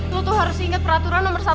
lo tuh harus inget peraturan nomor satu